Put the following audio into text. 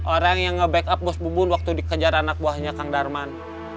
orang yang nge backup bos bubun waktu dikejar anak buahnya kang darman